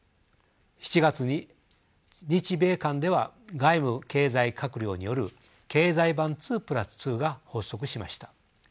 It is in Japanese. ７月に日米間では外務経済閣僚による経済版２プラス２が発足しました。